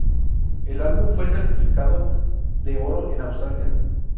El álbum fue certificado de oro en Australia.